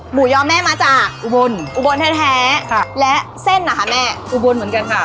หมูยอแม่มาจากอุบลอุบลแท้แท้ค่ะและเส้นอ่ะค่ะแม่อุบลเหมือนกันค่ะ